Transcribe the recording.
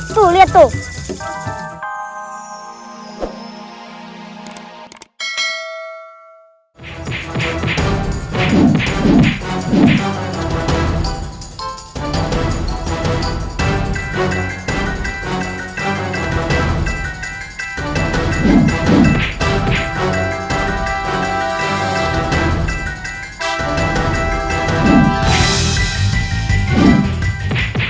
tuh lihat tuh